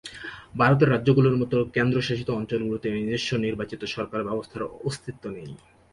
ভারতের রাজ্যগুলির মতো কেন্দ্রশাসিত অঞ্চলগুলিতে নিজস্ব নির্বাচিত সরকার ব্যবস্থার অস্তিত্ব নেই।